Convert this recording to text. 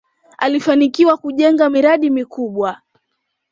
alifanikiwa kujenga miradi mikubwa